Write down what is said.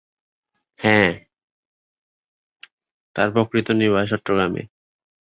তার পৈতৃক নিবাস চট্টগ্রাম জেলার ফটিকছড়ি উপজেলার রোসাংগিরিতে।